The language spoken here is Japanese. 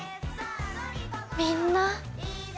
みんな。